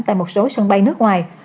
tại một số sân bay nước ngoài